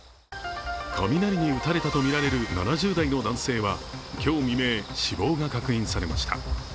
雷に打たれたとみられる７０代の男性は今日未明、死亡が確認されました。